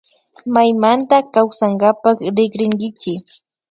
Maymanta kawsankapak rikrinkichi